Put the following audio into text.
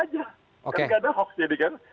karena nggak ada hoax jadi kan